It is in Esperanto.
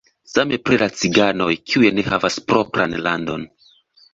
Same pri la ciganoj, kiuj ne havas propran landon.